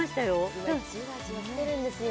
今じわじわきてるんですよ